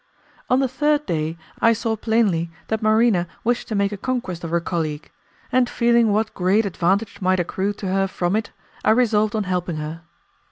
On the third day I saw plainly that Marina wished to make a conquest of her colleague, and feeling what great advantage might accrue to her from it I resolved on helping her.